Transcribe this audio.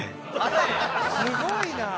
すごいな！